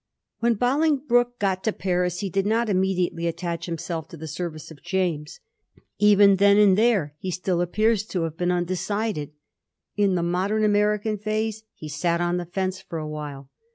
When Bolingbroke got to Paris he did not imme diately attach himself to the service of James. Even then, and there, he still appears to have been unde cided. In the modem American phrase, he ' sat on the fence ' for a while.